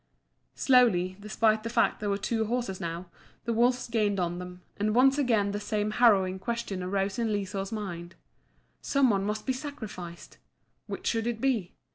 Slowly, despite the fact that there were two horses now, the wolves gained on them, and once again the same harrowing question arose in Liso's mind. Some one must be sacrificed. Which should it be?